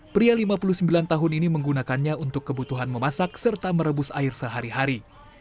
pria lima puluh sembilan tahun ini menggunakannya untuk kebutuhan memasak serta merebus air sehari hari